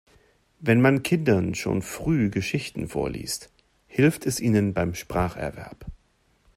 Wenn man Kindern schon früh Geschichten vorliest, hilft es ihnen beim Spracherwerb.